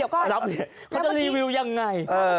เขาจะรีวิวยังไง